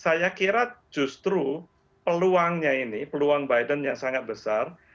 saya kira justru peluangnya ini peluang biden yang sangat besar